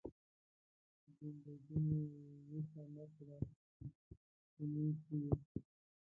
زنده ګي مو ويښه نه کړه، چې موږ څه يو؟!